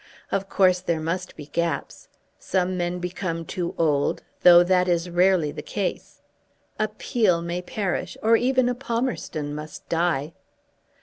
Of course there must be gaps. Some men become too old, though that is rarely the case. A Peel may perish, or even a Palmerston must die.